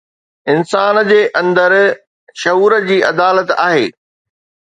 انسان جي اندر شعور جي عدالت آهي